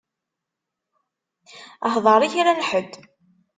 Hḍeṛ i kra n ḥedd.